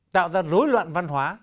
tạo ra rối loạn văn hóa